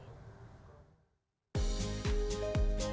tidak tidak tidak